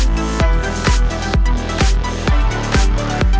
เพลง